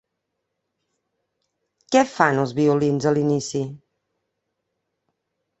Què fan els violins a l'inici?